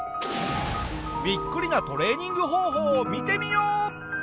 ビックリなトレーニング方法を見てみよう！